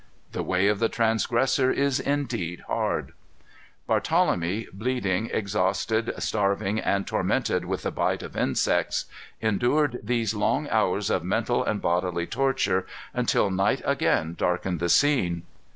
"The way of the transgressor is indeed hard." Barthelemy, bleeding, exhausted, starving and tormented with the bite of insects, endured these long hours of mental and bodily torture, until night again darkened the scene.